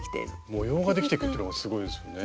模様ができていくっていうのがすごいですよね。